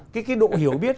cái độ hiểu biết